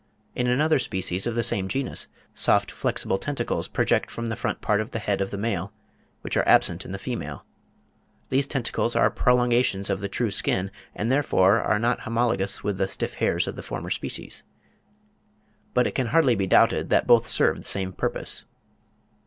In another species of the same genus, soft flexible tentacles project from the front part of the head of the male, which are absent in the female. These tentacles are prolongations of the true skin, and therefore are not homologous with the stiff hairs of the former species; but it can hardly be doubted that both serve the same purpose.